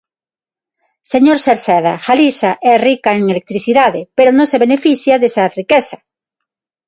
Señor Cerceda, Galiza é rica en electricidade, pero non se beneficia desa riqueza.